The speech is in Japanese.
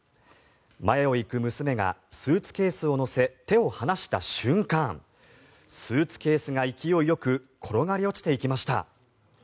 前を行く娘がスーツケースを乗せ手を離した瞬間スーツケースが勢いよく転がり落ちていきました。